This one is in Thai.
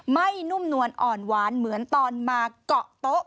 นุ่มนวลอ่อนหวานเหมือนตอนมาเกาะโต๊ะ